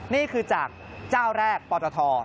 นี่คือจากเจ้าแรกปตท